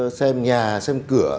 đi xem nhà xem cửa